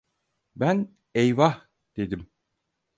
Ben, "eyvah!" dedim.